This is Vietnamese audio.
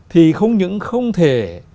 thì không những không thể